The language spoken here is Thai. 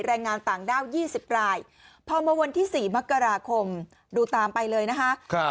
แรงงานต่างด้าว๒๐รายพอมาวันที่๔มกราคมดูตามไปเลยนะคะ